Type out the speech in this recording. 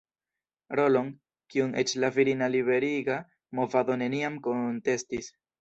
Rolon, kiun eĉ la virina liberiga movado neniam kontestis.